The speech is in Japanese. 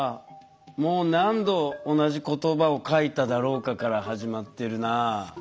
「もう何度同じ言葉を書いただろうか」から始まってるな。